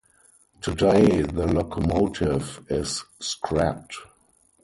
Today the locomotive is scrapped.